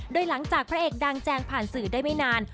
โดยหลังจากพระเอกดังแจงผ่านสื่อได้ไม่นาน